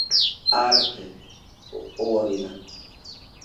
A arte ou a vida?